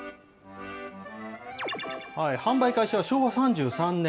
販売開始は昭和３３年。